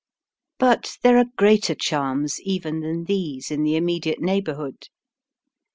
But there are greater charms even than these in the immediate neighbourhood.